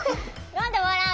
何で笑う？